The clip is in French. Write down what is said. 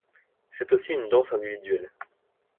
C'est aussi une danse individuelle.